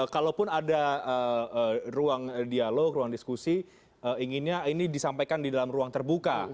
kalaupun ada ruang dialog ruang diskusi inginnya ini disampaikan di dalam ruang terbuka